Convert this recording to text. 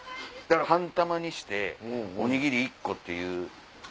半玉にしておにぎり１個っていう。